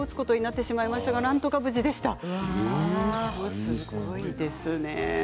すごいですね。